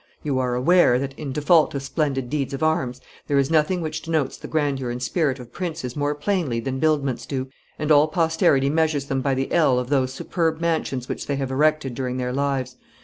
You are aware that, in default of splendid deeds of arms, there is nothing which denotes the grandeur and spirit of princes more plainly than buildments do, and all posterity measures them by the ell of those superb mansions which they have erected during their lives.